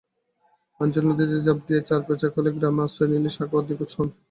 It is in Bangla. আনজেল নদীতে ঝাঁপ দিয়ে চরপেঁচাকোলা গ্রামে আশ্রয় নিলেও সাখাওয়াত নিখোঁজ হন।